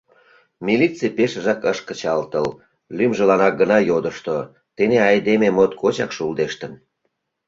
Милиций пешыжак ыш кычалтыл — лӱмжыланак гына йодышто: тений айдеме моткочак шулдештын.